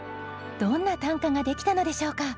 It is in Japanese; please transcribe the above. どんな短歌ができたのでしょうか？